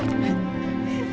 mbak catherine kita mau ke rumah